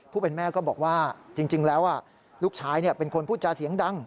แม่ก็บอกว่าจริงแล้วลูกชายเป็นคนพูดจาเสียงดัง